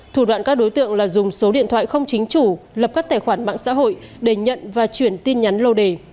thủ đoạn các đối tượng là dùng số điện thoại không chính chủ lập các tài khoản mạng xã hội để nhận và chuyển tin nhắn lô đề